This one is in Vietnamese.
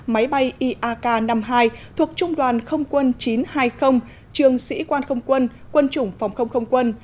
máy bay iak năm mươi hai thuộc trung đoàn không quân chín trăm hai mươi trường sĩ quan không quân quân chủng phòng không không quân